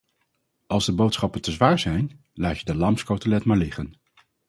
Als de boodschappen te zwaar zijn, laat je de lamskotelet maar liggen.